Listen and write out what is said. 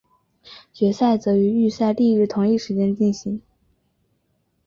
决赛则于预赛翌日同一时间进行。